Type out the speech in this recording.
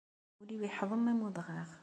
Ul-iw yeḥḍem am udɣaɣ.